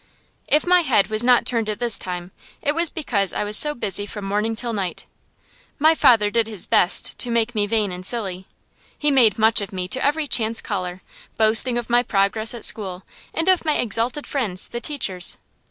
If my head was not turned at this time it was because I was so busy from morning till night. My father did his best to make me vain and silly. He made much of me to every chance caller, boasting of my progress at school, and of my exalted friends, the teachers.